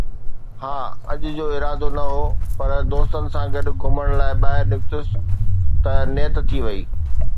ها، اڄ جو ارادو نه هو، پر دوستن سان گڏ گهمڻ لاءِ ٻاهر نڪتس، ته نيت ٿي وئي